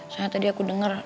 soalnya tadi aku denger